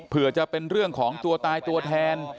เพื่อจะเป็นเรื่องของตัวตายตัวแทน